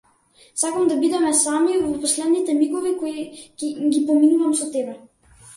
Сакам да бидеме сами во последните мигови кои ги поминувам со тебе.